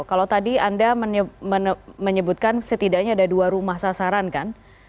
kalau tadi anda menyebutkan setidaknya ada dua rumah sasaran kan